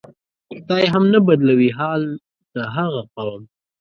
خدای هم نه بدلوي حال د هغه قوم